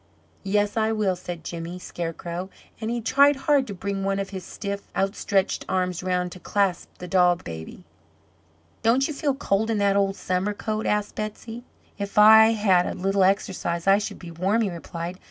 "Yes, I will," said Jimmy Scarecrow, and he tried hard to bring one of his stiff, outstretched arms around to clasp the doll baby. "Don't you feel cold in that old summer coat?" asked Betsey. "If I bad a little exercise, I should be warm," he replied.